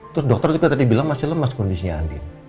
terus dokter juga tadi bilang masih lemas kondisinya andi